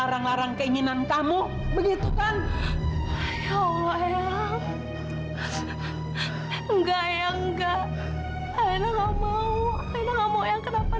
alina nggak mau eyang kenapa kenapa